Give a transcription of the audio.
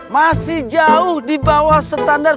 masih jauh dibawah standar